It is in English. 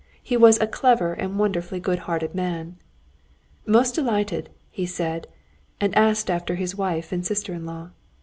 He was a clever and wonderfully good hearted man. "Most delighted," he said, and asked after his wife and sister in law.